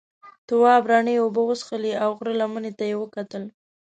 تواب رڼې اوبه وڅښلې او غره لمنې ته یې وکتل.